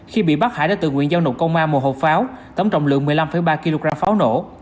khi bị bắt hải đã tự nguyện giao nộp công an một hộp pháo tổng trọng lượng một mươi năm ba kg pháo nổ